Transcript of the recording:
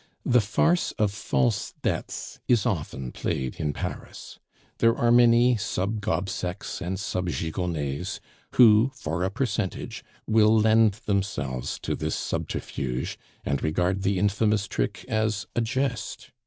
The farce of false debts is often played in Paris. There are many sub Gobsecks and sub Gigonnets who, for a percentage, will lend themselves to this subterfuge, and regard the infamous trick as a jest.